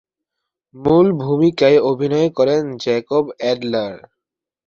মূল ভূমিকায় অভিনয় করেন জ্যাকব অ্যাডলার।